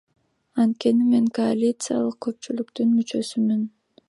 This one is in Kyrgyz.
Анткени мен коалициялык көпчүлүктүн мүчөсүмүн.